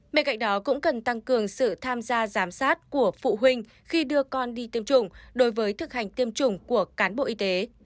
bên cạnh đó cũng cần tăng cường sự tham gia giám sát của phụ huynh khi đưa con đi tiêm chủng đối với thực hành tiêm chủng của cán bộ y tế